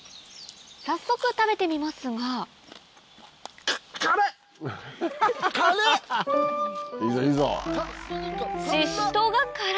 早速食べてみますがうっ！